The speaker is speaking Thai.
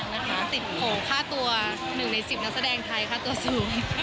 ติดโหค่าตัวหนึ่งในสิบนักแสดงไทยค่าตัวสูง